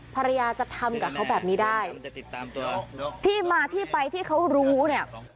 ภรรยาจะทำกับเขาแบบนี้ได้ติดตามตัวที่มาที่ไปที่เขารู้เนี่ย